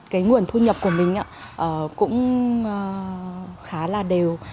cái nguồn thu nhập của mình cũng khá là đều